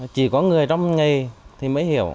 chỉ có người trong ngày thì mới hiểu